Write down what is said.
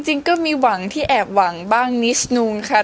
จริงก็มีหวังที่แอบหวังบ้างนิสนูนค่ะ